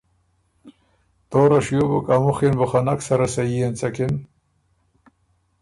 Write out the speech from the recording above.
توره شیو بُک ا مُخي ن بو خه نک سره سھی اېنڅکِن